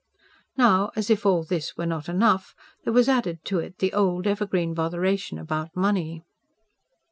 Now, as if all this were not enough, there was added to it the old, evergreen botheration about money.